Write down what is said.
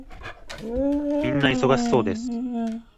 皆忙しそうです。